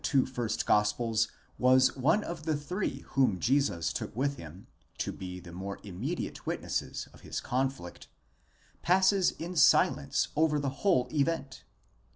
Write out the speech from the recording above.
641 two first gospels was one of the three whom Jesus took with him, to be the more immediate witnesses of his conflict, passes in silence over the whole event?